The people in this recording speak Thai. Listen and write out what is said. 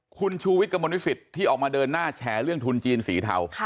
คุณชูวิทย์กระมวลวิสิตที่ออกมาเดินหน้าแชร์เรื่องทุนจีนสีเทา